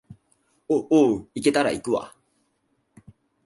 お、おう、行けたら行くわ